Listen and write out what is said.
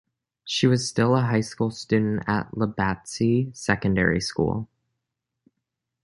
She was still a high school student at Lobatse Secondary School.